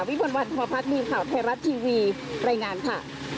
วิทย์ม่อนวัลธบีนข่าวไทรัสทีวีแรงงานค่ะ